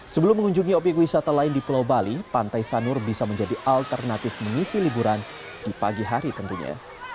sebelum mengunjungi obyek wisata lain di pulau bali pantai sanur bisa menjadi alternatif mengisi liburan di pagi hari tentunya